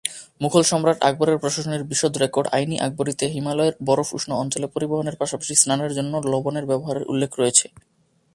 মুঘল সম্রাট আকবরের প্রশাসনের বিশদ রেকর্ড "আইন-ই-আকবরিতে" হিমালয়ের বরফ উষ্ণ অঞ্চলে পরিবহনের পাশাপাশি স্নানের জন্য লবণের ব্যবহারের উল্লেখ রয়েছে।